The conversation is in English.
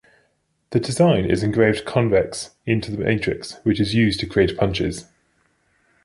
The design is engraved convex into the matrix, which is used to create punches.